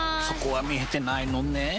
そこは見えてないのね。